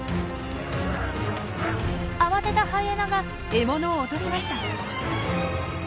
慌てたハイエナが獲物を落としました。